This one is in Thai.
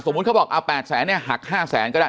สมมุติเขาบอกเอา๘แสนเนี่ยหัก๕แสนก็ได้